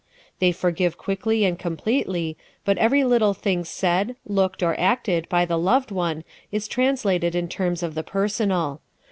They forgive quickly and completely, but every little thing said, looked, or acted by the loved one is translated in terms of the personal.